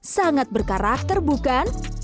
sangat berkarakter bukan